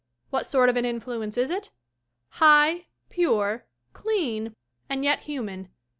What sort of an influence is it? High, pure, clean and yet human.